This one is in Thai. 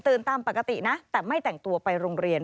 ตามปกตินะแต่ไม่แต่งตัวไปโรงเรียน